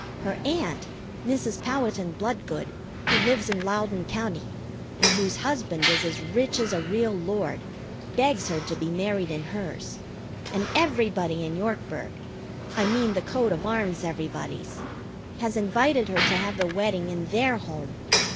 Her aunt, Mrs. Powhatan Bloodgood, who lives in Loudon County, and whose husband is as rich as a real lord, begs her to be married in hers; and everybody in Yorkburg I mean the coat of arms everybodies has invited her to have the wedding in their home.